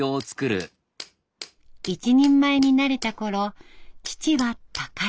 一人前になれたころ父は他界。